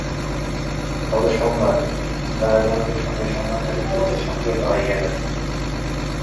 গত সোমবার ডায়াগনোজের সঙ্গে এ সংক্রান্ত একটি চুক্তি স্বাক্ষরিত হয় ইএফএর।